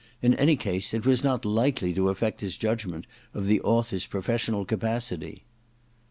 In any case, it was not likely to afFect his judgment of the author's professional capacity.